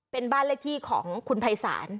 เป็นบ้านเลขที่ของคุณภัยศาล